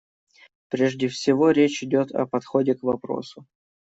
Прежде всего речь идет о подходе к вопросу.